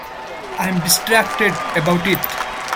I'm distracted about it.